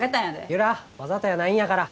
由良わざとやないんやから。